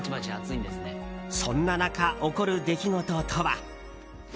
そんな中、起こる出来事とは。